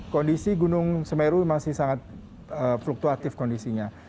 kondisi gunung semeru masih sangat fluktuatif kondisinya